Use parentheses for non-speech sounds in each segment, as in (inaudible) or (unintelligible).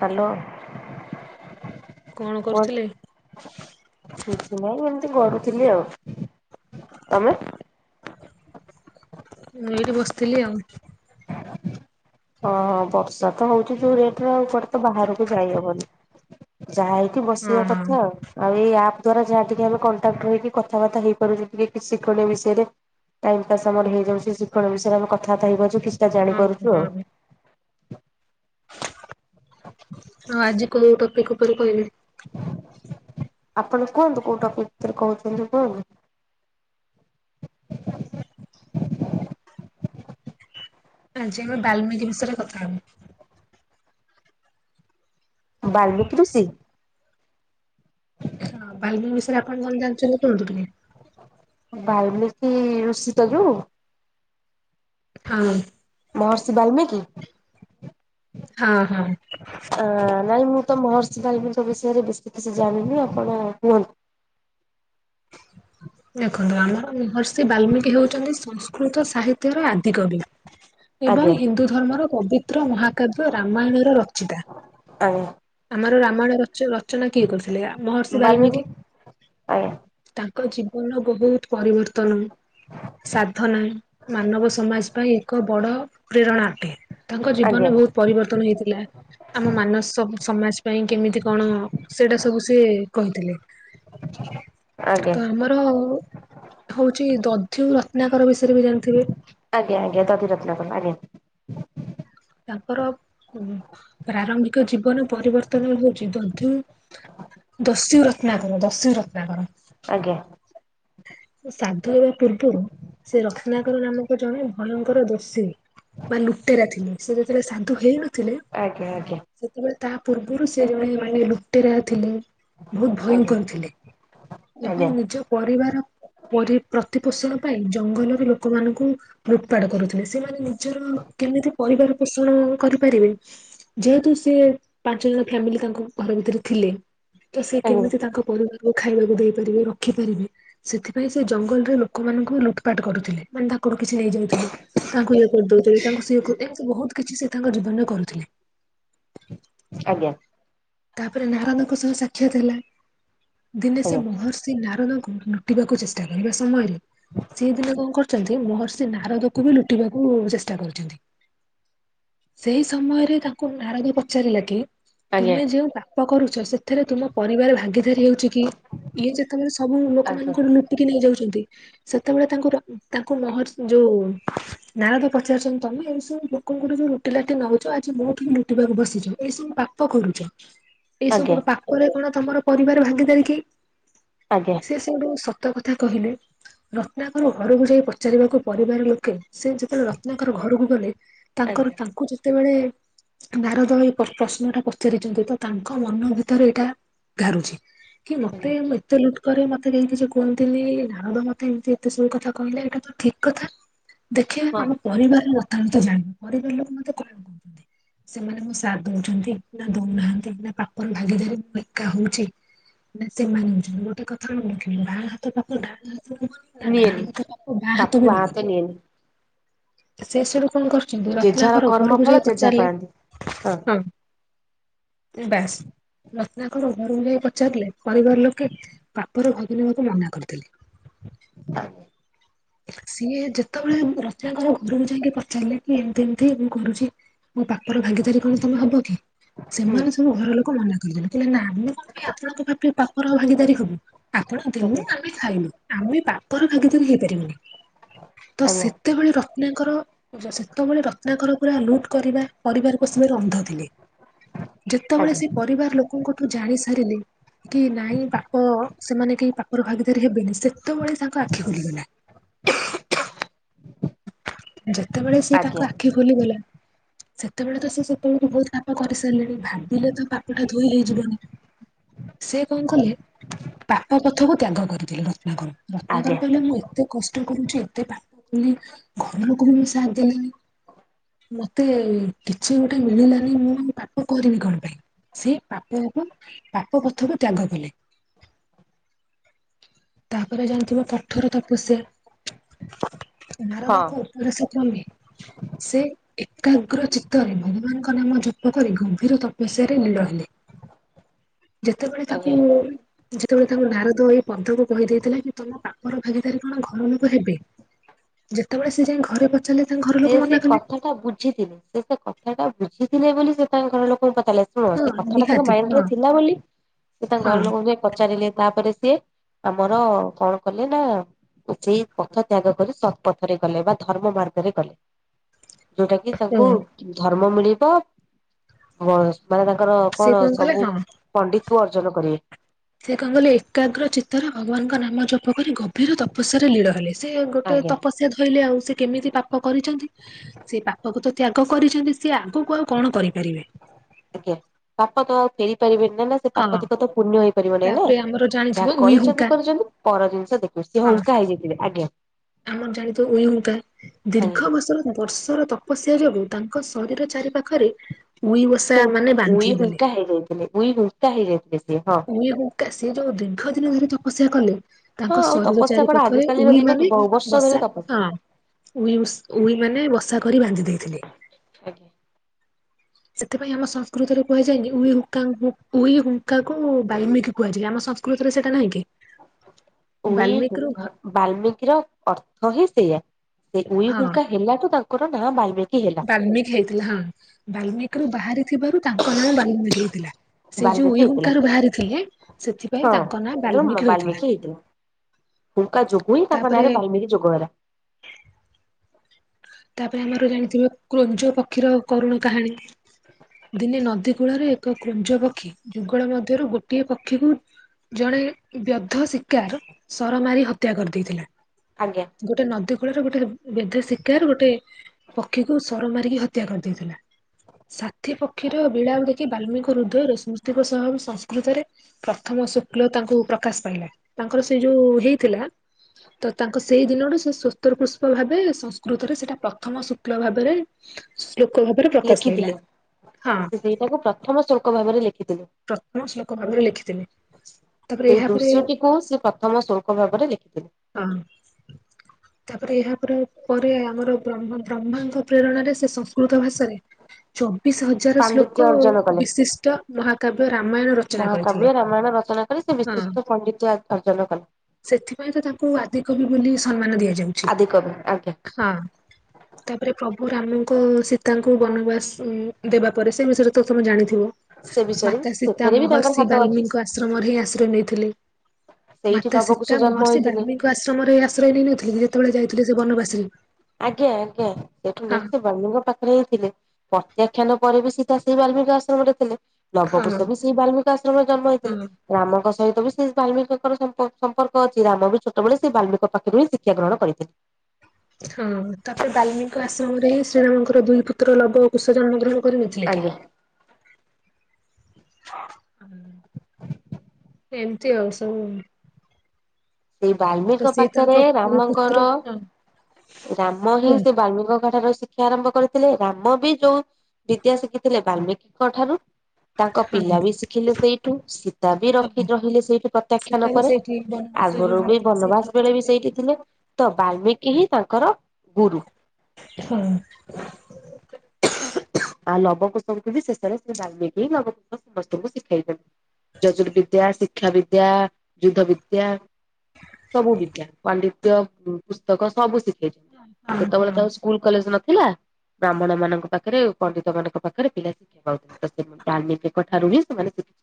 Hello. କଣ କରୁଥିଲେ? କିଛି ନାହିଁ ଏମତି ଗଡୁଥିଲି ଆଉ। ତମେ? ମୁଁ ଏଇଠି ବସଥିଲି ଆଉ। ହଁ ହଁ ବର୍ଷା ତ ହୋଉଚି ଯୋଉ ରେଟ୍ ରେ ଆଉ କୁଆଡେ ତ ବାହାରକୁ ଯାଇହବନି। ଯାହା ହେଇ କି ହଁ ବସିବା ହଁ କଥା ଆଉ। ଆଉ ଏଇ ଆପ୍ ଦ୍ଵାରା ଯାହା ଟିକେ ହେବ କଣ୍ଟାକ୍ଟ ରହିକି କଥାବାର୍ତ୍ତା ହେଇପାରୁଚନ୍ତି ଶିଖଣ୍ଡି ବିଷୟରେ। ଟାଇମ୍ ପାସ୍ ଆମର ହେଇଯାଉଚି ଶିକ୍ଷଣି ବିଷୟରେ ଆମ କଥାବାର୍ତ୍ତା ହେଇପାରୁଚୁ। କିଛିଟା ଜାଣିପାରୁଚୁ ଆଉ। ହଁ ଆଜି କୋଉ ଟପିକ ଉପରେ କହିବେ? ଆପଣ କୁହନ୍ତୁ କୋଉ ଟପିକି ଭିତରେ କହୁଚନ୍ତି କୁହନ୍ତୁ? ଆଜି ଆମେ ବାଲ୍ମୀକୀ ବିଷୟରେ କଥା ହବୁ। ବାଲ୍ମୀକି ଋଷି? ହଁ ବାଲ୍ମୀକି ବିଷୟରେ ଆପଣ କଣ ଜାଣଚନ୍ତି କୁହନ୍ତୁ? ବାଲ୍ମୀକି ଋଷି ତ ଯୋଉ? ହଁ। ମହର୍ଷି ବାଲ୍ମୀକି? ହଁ ହଁ। ଆ ନାଇଁ ମୁଁ ତ ମହର୍ଷି ବାଲ୍ମୀଙ୍କ ବିଷୟରେ ବେଶୀ କିଛି ଜାଣିନି। ଆପଣ କୁହନ୍ତୁ? ଦେଖନ୍ତୁ ଆମର ମହର୍ଷି ବାଲ୍ମିକି ହେଉଚନ୍ତି ସଂସ୍କୃତ ସାହିତ୍ୟର ଆଦିକବି। (inaudible) ଏବଂ ହିନ୍ଦୁ ଧର୍ମର ପବିତ୍ର ମହାକାବ୍ୟ ରାମାୟଣର ରଚିତା। ଆଜ୍ଞା ଆମର ରାମାୟଣ ରଚ ରଚନା କିଏ କରଥିଲେ? ମହର୍ଷି ବାଲ୍ମୀକି ବାଲ୍ମିକି। ଆଜ୍ଞା ତାଙ୍କ ଜୀବନର ବହୁତ ପରିବର୍ତ୍ତନ। ସାଧନା ମାନବ ସମାଜ ପାଇଁ ଏକ ବଡ଼ ପ୍ରେରଣା ଅଟେ। ତାଙ୍କ ଆଜ୍ଞା ଜୀବନରେ ବହୁତ ପରିବର୍ତ୍ତନ ହେଇଥିଲା। ଆମ ମାନସ ସ ସମାଜ ପାଇଁ କେମିତି କଣ ସେଇଟା ସବୁ ସିଏ କହିଥିଲେ। ଆଜ୍ଞା ତ ଆମର ହୋଉଚି ଦଧ୍ୟୁ ରତ୍ନାକର ବିଷୟରେ ବି ଜାଣଥିବେ? ଆଜ୍ଞା ଆଜ୍ଞା ଦଧି ରତ୍ନକର ଆଜ୍ଞା। ତାଙ୍କର ଉଁ ପ୍ରାରମ୍ଭିକ ଜୀବନ ପରିବର୍ତ୍ତନ ହୋଉଚି ଦଧି। ଦସ୍ୟୁ ରତ୍ନାକର ଦସ୍ୟୁ ରତ୍ନାକର। ଆଜ୍ଞା। ଶ୍ରାଦ୍ଧ ହେବା ପୂର୍ବରୁ ସେ ରତ୍ନାକର ନାମକ ଜଣେ ଭୟଙ୍କର ଦୋଷୀ। ବା ଲୁଟେରା ଥିଲେ ସେ ଯେତେବେଳେ ସାଧୁ ହେଇନଥିଲେ। ଆଜ୍ଞା ଆଜ୍ଞା। ସେତେବେଳେ ତା ପୂର୍ବରୁ ସେ ଜଣେ ମାନେ ଲୁପଟେରା ଥିଲେ। ବହୁତ ଆଜ୍ଞା ଭୟଙ୍କର ଥିଲେ ଆଜ୍ଞା ଆଜ୍ଞା ଏବଂ ନିଜ ପରିବାର ମୋଢି ପ୍ରତି ପୋଷଣ ପାଇଁ ଜଙ୍ଗଲରେ ଲୋକମାନଙ୍କୁ ଲୁଟପାଟ କରୁଥିଲେ। ସେମାନେ ନି ଜର କେମିତି ପରିବାର ପୋଷଣ କରିପାରିବେ। ଯେହେତୁ ସିଏ ପାଞ୍ଚ ଜଣ ଫ୍ୟାମିଲି ତାଙ୍କ ଘର ଭିତରେ ଥିଲେ। ତ ସେ କେମିତି ତାଙ୍କ ପରିବାରକୁ ଖାଇବାକୁ ଦେଇପାରିବେ ରଖିପାରିବେ ସେଥି ପାଇଁ ସେ ଜଙ୍ଗଲ ରେ ଲୋକମାନଙ୍କୁ ଲୁଟପାଟ କରଥିଲେ। ମାନେ ତାଙ୍କଠୁ କିଛି ନେଇଯାଉଥିଲେ। ତାଙ୍କୁ ଇଏ କରି ଦଉଥିଲେ ତାଙ୍କୁ ସିଏକରି ଏମିତି ବହୁତ କିଛି ସିଏ ତାଙ୍କ ଜୀବନରେ କରୁଥିଲେ। ଆଜ୍ଞା। ତାପରେ ନାରଦଙ୍କ ସହ ସାକ୍ଷାତ ହେଲା ଦିନେ ସେ ମହର୍ଷି ନାରଦଙ୍କୁ। କାଟିବାକୁ ଚେଷ୍ଟା କରିବା ସମୟରେ ସେହି ଦିନ କଣ କରୁଛନ୍ତି ମହର୍ଷି ନାରଦକୁବି ଲୁଟିବାକୁ ଚେଷ୍ଟା କରିଛନ୍ତି। ସେଇ ସମୟରେ ତାଙ୍କୁ ନାରଦ ପଚାରିଲାକି। ତୁମେ ଯୋଉ ପାପ କରୁଚ ସେଥିରେ ତୁମ ପରିବାର ଭା ଭାଗିଧାରୀ ହେଉଚିକି ଇଏ ଯେତେବେଳେ ସବୁ ଆଜ୍ଞା ଲୋକମାନଙ୍କର ଲୁଟିକି ନେଇ ଯାଉଛନ୍ତି। ସେତେବେଳେ ତାଙ୍କୁ ତାଙ୍କୁ ମହଶ୍ରୀ ଯୋଉ। ନାରଦ ପଚାରୁଛନ୍ତି ତମେ ଏଇ ସବୁ ଲୋକଙ୍କର ଯୋଉ ଲୁଟି ଲାଟି ନଉଚ ଆଜି ମୋଠୁବି ଲୁଟିବାକୁ ବସିଛ ଏଇ ସବୁ ପା ପାପ କରୁଛ ଏଇ ସବୁ ପାପରେ କଣ ତମର ପରିବାର ଭାଙ୍ଗିଦାରିକି? ଆଜ୍ଞା ସେ ସେଇଠୁ ସତ କଥା କହିଲେ। ରତ୍ନାକର ଘରକୁ ଯାଇ ପଚାରିବାକୁ ପରିବାର ଲୋକେ ସେ ଯେତେବେଳେ ରତ୍ନାକର ଘରକୁ ଗଲେ। ତାଙ୍କର ତାଙ୍କୁ ଯେତେବେଳେ ନାରଦ ଏ ପ୍ରଶ୍ନ ପ୍ରଶ୍ନଟା ପଚାରି କିନ୍ତୁ ତ ତାଙ୍କ ମନ ଭିତରେ ଏଇଟା ଘାରୁଛି କି ମତେ ଆଜ୍ଞା ମୁଁ ଏତେ ଲୁଟ କରି ମତେ କେହିକିଛି କୁହନ୍ତିନି ନାରଦ ମତେ ଏମିତି ଏତେ ସବୁ କଥା କହିଲେ ଏଟାତ ଠିକ କଥା। ହଁ ଦେଖିବା ଆମ ପରିବାର ଅଥାତ ଜାଣିବ ପରିବାର ଲୋକ ମତେ କଣ କହୁଛନ୍ତି ସେମାନେ ମୋ ସାଥ ଦଉଛନ୍ତି। ଦଉନାହାନ୍ତି ନାଁ ପାପର ଭାଗିଦାରୀ ମୁଁ ଏକା ହଉଛି। ନାଁ ସେମାନେ ହଉଛନ୍ତି ଗୋଟେ କଥା କଣ ଦେଖିଲୁ ବାଆଁ ହାତ ପାପୁଲିଟା ନାଁ ଡାହାଣ ନିଏନି ହାତ ପାପ ବାଆଁ ହାତବି ପାପ ହାତ ନିଏନି ନବନି ସେ ସେଠୁ କଣ କର ଯେଝାର ରତ୍ନାଙ୍କର କର୍ମ ଘରକୁ ଫଳ ଯାଇ ଯେଝା ପଚାରିଲେ ପାଆନ୍ତି। ହଁ। ବାସ ରତ୍ନାକର ଘରକୁ ଯାଇ ପଚାରିଲେ ପରିବାର ଲୋକେ କା ଘରେ କୋଉଦିନ ମୋତେ ମନା କରିଥିଲେ। (unintelligible) ସିଏ ଯେତେବେଳେ ରତ୍ନାକର ଘରକୁ ଯାଇକି ପଚାରିଲେକି ଏମିତି ଏମିତି ମୁଁ କରୁଛି। ମୋ ପାପର ଭାଗିଦାରୀ କଣ ତମେ ହବକି? ସେମାନେ ହୁଁ ସବୁ ଘର ଲୋକ ମନା କରିଦେଲେ କହିଲେ ନାଁ ଆମେ କଣ ପାଇଁ ଆପଣଙ୍କ ପାପ ପାପର ଭାଗିଦାରି ହବୁ। ଆପଣ ଦେଲେ ଆମେ ଖାଇଲୁ ଆମେ ବାପର ଭାଗିଦାରୀ ହେଇ ତ ଆଜ୍ଞା ସେତେବେଳେ ରତ୍ନାଙ୍କର ସେତେବେଳେ ରତ୍ନାଙ୍କରଙ୍କୁ ପୁରା ଲୁଟ କରିବା ପରିବାର ପୋଷିବାରେ ଅନ୍ଧ ଥିଲେ ଆଜ୍ଞା ଯେତେବେଳେ ଆଜ୍ଞା ସେ ପରିବାର ଲୋକଙ୍କୁ ଜାଣିସାରିଲେଲକି ନାଇଁ ପାପ ସେମାନେ କେହି ପାପର ଭାଗିଦାରୀ ହେବେନି ସେ ସେତବେଳେ ତାଙ୍କ ଆଖି ଖୋଲିଗଲା। (unintelligible) ଯେତେବେଳେ ସିଏ ଆଜ୍ଞା ତାଙ୍କ ଆଖି ଖୋଲିଗଲା। ସେତେବେଳେତ ସେ ସେତେବେଳେତ ବହୁତ ପାପ କରିସାରିଲେଣି ଭାବିଲେତ ପାପଟା ଧୋଇ ହେଇଯିବନି। ସେ କଣ କଲେ ପାପ ପଥକୁ ତ୍ୟାଗ କରିଥିଲେ ରତ୍ନାକର ରତ୍ନାକର ଆଜ୍ଞା କହିଲେ ମୁଁ ଏତେ କଷ୍ଟ କଷ୍ଟ କରୁଚ ଏତେ ପାପ ବୋଲି ଘର ଲୋକଙ୍କୁବି ସାଥ ଦେଲେନି। ମତେ କିଛି ଗୋଟେ ମିଳିଲାନି ମୁଁ ପାପ କରିବି କଣ ପାଇଁ? ସେଇ ପାପକୁ ପାପ କଥାକୁ ତ୍ୟାଗ କଲେ। (inaudible) ତାପରେ ଜାଣିଥିବ କଠୋର ତପସ୍ୟା। ହଁ ନାରଦଙ୍କ ଉପଦେଶ କ୍ରମେ ସେ ଏକାଗ୍ର ଚିତ୍ତରେ ଭଗବାନଙ୍କ ନାମ ଜପ କରି ଗଭୀର ତପସ୍ୟାରେ ନିଳହେଲେ। (inaudible) ଯେତେବେଳେ ତାକୁ ଆଜ୍ଞା ଯେତେବେଳେ ତାଙ୍କୁ ନାରଦ ଏଇ ପଦକୁ କହିଦେଇଥିଲା। କି ତମ ପାଖର ଭାଗିଦାରୀ କଣ ହବ? ଘରଲୋକ ହେବେ। ଯେତେବେଳେ ସେ ଯାଇ ଘରେ ପହଞ୍ଚିଛନ୍ତି। ତାଙ୍କ ଘର ଲୋକ ଯେ ସେ ମନା କଲେ କଥାଟା ବୁଝିଥିଲେ। ସେ ସେ କଥା ଟା ବୁଝିଥିଲେ ବୋଲି ସେ ତାଙ୍କ ଘର ଲୋକଙ୍କୁ କଥା ହେଲେନି। ଶୁଣ ହଁ ସେ କଥା ଟା ତାଙ୍କ ନିହାତି ମାଇଣ୍ଡ ରେ ହଁ ଥିଲା ବୋଲି। ସେ ତାଙ୍କ ହଁ ଘର ଲୋକଙ୍କୁ ପଚାରିଲେ। ତାପରେ ସିଏ ଆମର କଣ କଲେ ନା ଯେ ପଥ ତ୍ୟାଗ କରି ଶତପଥରେ ଗଲେ। ବା ଧର୍ମ ମାର୍ଗ ରେ ଗଲେ ଯୋଉଟା କି ତାଙ୍କୁ ହଁ ଧର୍ମ ମିଳିବ ହଁ ମାନେ ତାଙ୍କର ସିଏ କଣ କଲେ ସବୁ ହଁ ପଣ୍ଡିତ୍ୱ ଅର୍ଜନ କରିବେ। ସେ କଣ କଲେ? ଏକାଗ୍ର ଚିତ୍ତର ଭଗବାନଙ୍କ ନାମ ଜପ କରି ଗଭୀର ତପସ୍ୟାରେ ଲୀଡ଼ ହେଲେ ସେ। ଯେ ଗୋଟେ ଆଜ୍ଞା ତପସ୍ୟା ଧୋଇଲେ ଆଉ। ସେ କେମିତି ପାପ କରିଛନ୍ତି? ସେ ପାପାକୁ ତ ତ୍ୟାଗ କରିଛନ୍ତି। ସିଏ ଆଗକୁ ଆଉ କଣ କରିପାରିବେ? ଆଜ୍ଞା। ପାପତ ଆଉ ଫେରି ପାରିବେନି ନା ନା। ସେ ହଁ ପାପତିିକ ତ ପୁଣ୍ୟ ହେଇପାରିବ ନେଇଁ ନା। ତାପରେ ଆମର ଜାଣିଥିବ ଯାହା ଉଇ ହୁଙ୍କା କରିଛନ୍ତି କରିଛନ୍ତି ପର ଜିନିଷ ଦେଖ ସିଏ ଅଙ୍କା ହେଇଯାଇଥିଲେ। ଆଜ୍ଞା। ଆପଣଙ୍କ ଜାଣିଥିବେ ଉଇହୁଙ୍କା। ଆଜ୍ଞା। ଦୀର୍ଘ ବର୍ଷର ବର୍ଷର ତ ବଶିବା ଯୋଗୁ। ତାଙ୍କ ଶରୀର ଚାରି ପାଖରେ ଉଇବସା ହୁଙ୍କ ମାନେ ଉଇ ବାନ୍ଧି ହୁଙ୍କା ଦେଲେ। ହେଇଯାଇଥିଲେ ଉଇ ହୁଙ୍କା ହେଇଯାଇଥିଲେ ସିଏ। ହଁ। ଉଇ ହୁଙ୍କା ସିଏ ଯୋଉ ଦୀର୍ଘ ଦିନ ଧରି ତପସ୍ୟା କଲେ। ହଁ ତାଙ୍କ ଆଉ ଶରୀର ତପସ୍ୟା ଚାରି କଣ ପାଖରେ ଆଜିକାଲିର ଉଈ ଦିନ କି ମାନେ ବହୁ ବର୍ଷ ଧରି ବସା ତପସ୍ୟା। ହଁ। ଉଇ ଉସ ଉଇ ମାନେ ବସା କରି ବାନ୍ଧି ଦେଇଥିଲେ। ଆଜ୍ଞା। ସେଥିପାଇଁ ଆମ ସଂସ୍କୃତରେ କୁହାଯାଇନି। ଉଇ ହୁକା ଉଇ ହୁଙ୍କାକୁ ବାଲ୍ମିକି କୁହାଯାଏ। ଆମ ସଂ କୃତରେ ସେଟା ନାହିଁ କି? (inaudible) ବାଲ୍ମିକିରୁ ଉଇହୁଙ୍କା ବାଲ୍ମିକିର ଅର୍ଥ ହଁ ସେଇଆ। ସେ ଉଇ ହୁଙ୍କା ହେଲାଠୁ ତାଙ୍କୁ ଙ୍କର ନାଁ ବଲ୍ମିକ ବଲ୍ମିକ ହେଇଥିଲା। ହଁ ବାଲ୍ମିକରୁ ବାହାରି ଥିବାରୁ ତାଙ୍କ ନାଁ ବାଲ୍ମିକ ହେଇଥିଲା। ସେ ଯୋଉ ବାଲ୍ମିକି ହେଇଥିଲା। ଉଈହୁଙ୍କାରୁ ବାହାରିଥିଲେ। ସେଥିପାଇଁ ହଁ ତାଙ୍କ ନାଁ ବାଲ୍ମିକ ହୋଇଥିଲା। ବାଲ୍ମିକି ହେଇଥିଲା ହୁଙ୍କା ଯୋଗୁ ହିଁ ତାଙ୍କ ତାପରେ ନାଁରେ ବଲ୍ମିକ ଯୋଗ ହେଲା। ତାପରେ ଆମର ଜାଣିଥିଵେ। କ୍ରୁଞ୍ଜ ପକ୍ଷୀର କରୁଣ କାହାଣୀ। ଦିନେ ନଦୀ କୂଳରେ ଏକ କ୍ରୁଞ୍ଜ ପକ୍ଷୀ ଯୁଗଳ ମଧ୍ୟରୁ ଗୋଟିଏ ପକ୍ଷୀକୁ ଜଣେ ବ୍ୟଧ ଶିକାର ସର ମାରି ହତ୍ୟା କରିଦେଇଥିଲେ। ଆଜ୍ଞା। ଗୋଟେ ନଦୀ କୂଳରେ ଗୋଟେ ବେଧ୍ୟ ଶିକାର ଗୋଟେ ପକ୍ଷୀକୁ ସରମା ମାରିକି ହତ୍ୟା କରିଦେଇଥିଲା। ସାଥୀ ପକ୍ଷୀର ବିଳାପ ଦେଖି ବାଲ୍ମିକଙ୍କ ହୃଦୟ ରୋସ (unintelligible) ସଂସ୍କୃତରେ ପ୍ରଥମ ଶୁକ୍ଲ ତାଙ୍କୁ ପ୍ରକାଶ ପାଇଲା। ତାଙ୍କର ସେ ଯୋଉ ହେଇଥିଲା। ତ ତାଙ୍କ ସେଇ ଦିନଠୁ ସେ ସ୍ୱତର ପୁଷ୍ପ ଭାବେ ସଂସ୍କୃତରେ ସେଇଟା ପ୍ରଥମ ଶୁକ୍ଲ ଭାବରେ ଶ୍ଳୋକ ଭାବରେ ପ୍ରକାଶ ପାଇଲା ଲେଖିଥିଲେ। ହଁ ସେ ସେଇଟାକୁ ପ୍ରଥମ ଶ୍ଳୋକ ଭାବରେ ଲେଖିଥିଲେ। ପ୍ରଥମ ଶ୍ଳୋକ ଭାବରେ ଲେଖିଥିଲେ। ତାପରେ ସେଇ ଏହାପରେ ଦୃଶ୍ୟଟିକୁ ସେ ପ୍ରଥମ ଶ୍ଳୋକ ଭାବରେ ଲେଖିଥିଲେ। ହଁ ତାପରେ ଏହା ପରେ ପରେ ଆମର ବ୍ରହ୍ମ-ବ୍ରହ୍ମାଙ୍କ ପ୍ରେରଣାରେ ସେ ସଂସ୍କୃତ ଭାଷାରେ ଚବିଶ ହଜା ବିଚାର ପାଣ୍ଡିତ୍ୟ ଶ୍ଳୋକ ଅର୍ଜନ କଲେ ବିଶିଷ୍ଟ ମହାକାବ୍ୟ ରାମାୟଣ ରଚନା କରିଥିଲେ। ପରେ ସେ ହଁ ବିଶିଷ୍ଟ ପଣ୍ଡିତ ଅର୍ଜନ କଲେ। ସେଥିପାଇଁ ତ ତାଙ୍କୁ ଆଦିକବି ବୋଲି ସମ୍ମାନ ଦିଆଯାଉଛି। ଆଦି କବି ଆଜ୍ଞା ହଁ। ତାପରେ ପ୍ରଭୁ ରାମଙ୍କୁ ସୀତାଙ୍କୁ ବନବାସ ଦେବା ପରେ ସେ ବିଷୟରେ ତ ତମେ ଜାଣିଥିବ? ସେ ବିଷୟରେ ବି ମାତା ସୀତା ସେଥିରେ ବି ତାଙ୍କର ମହର୍ଷି ହାତ ଅଛି। ବାଲ୍ମୀଙ୍କ ଆଶ୍ରମରେ ହିଁ ଆଶ୍ରୟ ନେଇଥିଲେ। ସେଇଠି ମାତା ନବକୁଶ ସୀତା ଜନ୍ମ ମହର୍ଷି ହେଇଥିଲେ ବାଲ୍ମୀିକ ଆଶ୍ରମରେ ଆଶ୍ରୟ ନେଇ ନଥିଲେ ଯେତେବେଳେ ଯାଇଥିଲେ ସେ ବନବାସକୁ? ଆଜ୍ଞା ଆଜ୍ଞା ସେଇଠୁ ନେଇକି (unintelligible) ଙ୍କ ପାଖ ରୁଥିଲେ ପ୍ରତ୍ୟାଖ୍ୟାନ ପରେ ବି ସିତା ସେଇ ବାଲ୍ମିକ ଆଶ୍ରମରେ ଥିଲେ। ଲବ ହଁ କୁଶ ବି ସେଇ ବାଲ୍ମିକୀ ଆଶ୍ରମରେ ଜନ୍ମ ହେଇଥିଲେ। ହଁ ରାମଙ୍କ ସହିତ ବି ସେ ବାଲ୍ମିକଙ୍କର ସମ୍ପର୍କ ଅଛି। ରାମ ବି ଛୋଟବେଳେ ସେ ବାଲ୍ମୀଙ୍କ ପାଖରୁ ହିଁ ଶିକ୍ଷା ଗ୍ରହଣ କରିଥିଲେ। ହଁ ତାପରେ ବାଲ୍ମିକଙ୍କ ଆଶ୍ରମରେ ହିଁ ଶ୍ରୀରାମଙ୍କର ଦୁଇ ପୁ ତ୍ର ଲବ କୁଶ ଜନ୍ମଗ୍ରହଣ କରିନଥିଲେ କି? ଆଜ୍ଞା ଏମିତି ଆଉ ସବୁ। ସେଇ ତ ବଲ୍ମିକଙ୍କ ସିଏ ପାଖରେ ତାଙ୍କ ପୁଅ ପୁତ୍ର ରାମଙ୍କର ହଁ ରାମ ହିଁ ସେ କୁହନ୍ତୁ ବଲ୍ମିକଙ୍କ ଠାରୁ ଶି ଶିକ୍ଷା ଆରମ୍ଭ କରିଥିଲେ। ରାମ ବି ଯୋଉ ବିଦ୍ୟା ଶିଖିଥିଲେ ବାଲମିକିଙ୍କ ଠାରୁ। ତାଙ୍କ ହଁ ପିଲା ବି ଶିଖିଲେ ସେଇଠୁ। ସୀତା ବି ରଖି ହଁ ରହିଲେ ସେଇଠୁ ପ୍ରତ୍ୟାଖ୍ୟାନ ପରେ। ଆଗରୁ ବି ବନବାସ ବେଳେ ବି (unintelligible) ସେଇଠି ଥିଲେ। ତ ବଲ୍ମିକ ହିଁ ତାଙ୍କର ଗୁରୁ। ହଁ। (inaudible) ଆଉ ଲବ କୁଶଙ୍କୁ ବି ଶେଷରେ ସେ ବଲ୍ମିକ ହିଁ ଲବ କୁଶ ସମସ୍ତଙ୍କୁ ଶିଖେଇଦେଲେ। ଜଜୁର ବିଦ୍ୟା, ଶିକ୍ଷା ବିଦ୍ୟା, ଯୁଦ୍ଧ ବିଦ୍ୟା ସବୁ ବିଦ୍ୟା ପାଣ୍ଡିତ୍ୟ ପୁସ୍ତକ ସବୁ ଶିଖେଇଛନ୍ତି। ହଁ ସେତେବେଳେ ତ ଆଉ ହଁ ସ୍କୁଲ କଲେଜ ନଥିଲା। ବ୍ରାହ୍ମଣ ମାନଙ୍କ ପାଖରେ ପଣ୍ଡିତ ମାନଙ୍କ ପାଖରେ ପିଲା (unintelligible) ବାଲ୍ମିକ ପାଖରୁ ହିଁ ସେମାନେ ଶିଖିଲେ।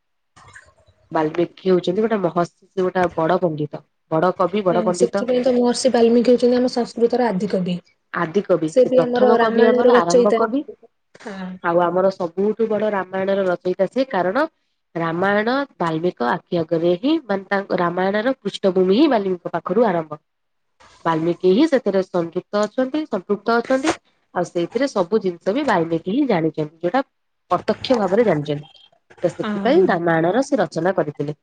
ବାଲ୍ମିକୀ ହଉଛନ୍ତି ଗୋଟେ ମହର୍ଷି ଗୋଟେ ବଡ ପଣ୍ଡିତ। ବଡକବି ହଁ ସେଥିପାଇଁ ତ ମହର୍ଷି ବାଲ୍ମିକି ହଉଛନ୍ତି ଆମ ସଂସ୍କୃତର ଆଦିକବି। ଆଦି କବି ସେ ପ୍ରଥମ କବି ଆମର ଆରମ୍ଭ ରଚୟିତା କବି। ହଁ ଆଉ ଆମର ସ ବହୁତ୍ ବଡ ରାମାୟଣ ର ରଚୟତା ସେ କାରଣ ରାମାୟଣ ବାଲ୍ମିକ ଆଖ୍ୟା କରିକି ମାନେ ତାଙ୍କ ରାମାୟଣର ପୃଷ୍ଠଭୂମି ହିଁ ବାଲ୍ମୀଙ୍କ ପାଖରୁ ଆରମ୍ଭ ବାଲମିକି ହିଁ ସେଥିରେ ସଂପୃକ୍ତ ଅଛନ୍ତି। ସପୃକ୍ତ ଅଛନ୍ତି ଆଉ ସେଇଥିରେ ସବୁ ଜିନିଷ ବି ବାଲମିକି ହିଁ ଜାଣିଛନ୍ତି ଯୋଉଟା ପ୍ରତ୍ୟକ୍ଷ ଭାବରେ ଜାଣିଛନ୍ତି, ତ ହଁ ସେଥିପାଇଁ ରାମାୟଣର ସେ ରଚନା କରିଥିଲେ।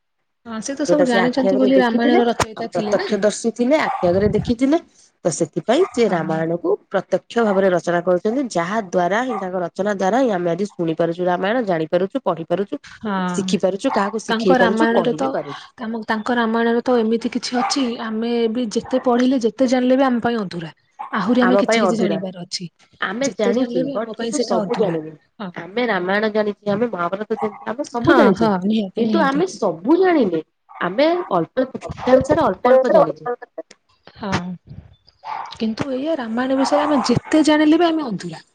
ହଁ ତ ସବୁ ଯୋଉଟା ସେ ଆଖି ଜାଣିଛନ୍ତି ଆଗରେ ବୋଲି ଦେଖିଥିଲେ, ରାମାୟଣର ଆଉ ରଚୟିତା ଥିଲେ ନା ପ୍ରତ୍ୟକ୍ଷ ଦର୍ଶିଥିଲେ ଆଖି ଆଗରେ ଦେଖିଥିଲେ। ତ ସେଥିପାଇଁ ସେ ହଁ ରାମାୟଣକୁ ପ୍ରତ୍ୟ ଷ ଭାବରେ ରଚନା କରୁଛନ୍ତି। ଯାହା ଦ୍ୱାରା ହିଁ ତାଙ୍କ ରଚନା ଦ୍ଵାରା ହିଁ ଆମେ ଆଜି ଶୁଣିପାରୁଛୁ ରାମାୟଣ ଜାଣିପାରୁଛୁ ପଢି ପାରୁଛୁ, ହଁ ଶିଖି ପାରୁଛୁ କାହାକୁ ତାଙ୍କ ଶିଖେଇ ପାରୁଛୁ ରାମାୟଣରେ ତ କହିିବି ପାରୁଛୁ। ଆମ ତାଙ୍କ ରାମାୟଣରେ ତ ଏମିତି କିଛି ଅଛି ଆମେ ବି ଯେତେ ପଢ଼ିଲେ ଯେତେ ଜାଣିଲେ ବି ଆମ ପାଇଁ ଅଧୁରା। ଆହୁରି ଆମ ଆମେ ପାଇଁ କିଛି କିଛି ଅଧୁରା ଜାଣିବାର ଅଛି ଆମେ ଯେତେ ଜାଣିଛେ ଜାଣିଲେ ବି ବଟ୍ ଆମ ପାଇଁ କିନ୍ତୁ ସେଇଟା ସବୁ ଅଧୁରା ଜାଣିନୁ। ହଁ। ଆମେ ରାମାୟଣ ଜାଣିଛେ ଆମେ ମହାଭାରତ ଜାଣିଛେ ଆମେ ସବୁ ହଁ ଜାଣିଛେ। ହଁ ନିହାତି କିନ୍ତୁ ନିହାତି। ଆମେ ସବୁ ଜାଣିଲେ ଆମେ ଅଳ୍ପ କିଛି ଅଂସରେ ଅଳ୍ପ ଅଳ୍ପ ଜାଣିଛେ। ହଁ କିନ୍ତୁ ଏଇଆ ରାମାୟଣ ବିଷୟରେ ଆମେ ଯେତେ ଜାଣିଲେ ବି ଆମେ ଅଧୁରା।